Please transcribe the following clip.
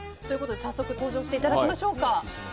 ということで早速登場していただきましょうか。